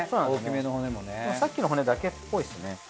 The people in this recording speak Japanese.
さっきの骨だけっぽいっすね。